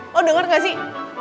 lo denger gak sih